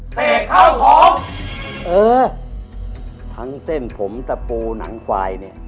เสกข้าวหอมเออทั้งเส้นผมตะปูหนังควายเนี่ย